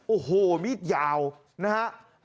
โอ้โหมีดยาวนะครับ